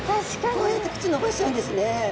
こうやって口伸ばしちゃうんですね。